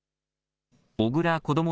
小倉こども